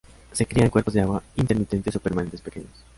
Se cría en cuerpos de agua intermitentes o permanentes pequeños.